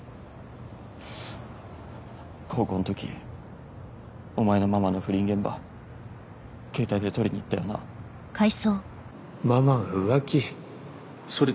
高校のときお前のママの不倫現場携帯で撮りに行ったよなママが浮気それ